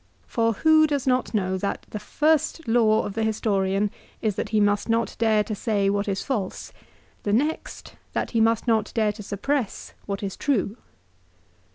Tor who does not know that the first law of the historian is that he must not dare to say what is false : the next that he must not dare to suppress what is true."